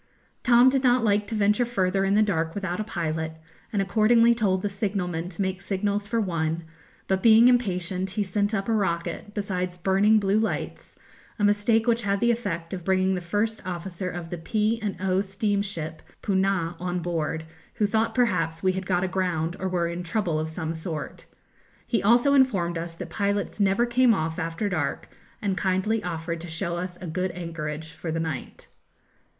Tom did not like to venture further in the dark without a pilot, and accordingly told the signal man to make signals for one, but being impatient he sent up a rocket, besides burning blue lights, a mistake which had the effect of bringing the first officer of the P. and O. steamship 'Poonah' on board, who thought perhaps we had got aground or were in trouble of some sort. He also informed us that pilots never came off after dark, and kindly offered to show us a good anchorage for the night.